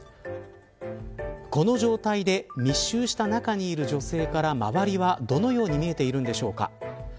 この状態で密集した中にいる女性から周りは、どのように見えているんでしょうか。